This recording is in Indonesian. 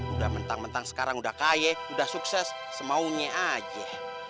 udah mentang mentang sekarang udah kaye udah sukses semaunya aja